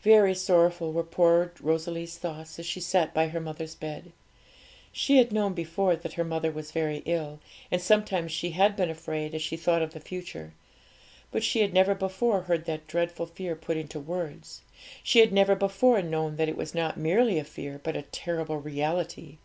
Very sorrowful were poor Rosalie's thoughts as she sat by her mother's bed. She had known before that her mother was very ill, and sometimes she had been afraid as she thought of the future; but she had never before heard that dreadful fear put into words; she had never before known that it was not merely a fear, but a terrible reality.